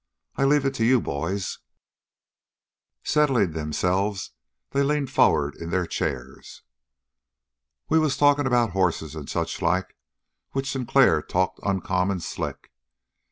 I leave it to you, boys!" Settling themselves they leaned forward in their chairs. "We was talking about hosses and suchlike, which Sinclair talked uncommon slick.